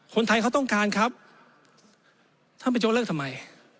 คนไทยเขาต้องการครับท่านประโยชนเลิกทำไม